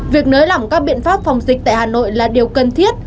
việc nới lỏng các biện pháp phòng dịch tại hà nội là điều cần thiết